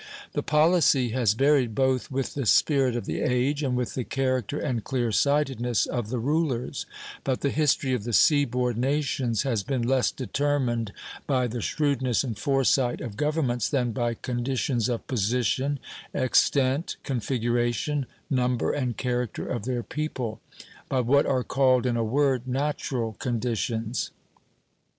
The policy has varied both with the spirit of the age and with the character and clear sightedness of the rulers; but the history of the seaboard nations has been less determined by the shrewdness and foresight of governments than by conditions of position, extent, configuration, number and character of their people, by what are called, in a word, natural conditions.